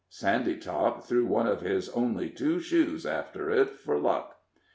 Sandytop threw one of his only two shoes after it for luck.